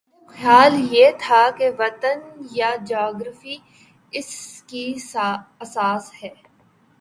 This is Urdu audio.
غالب خیال یہ تھا کہ وطن یا جغرافیہ اس کی اساس ہے۔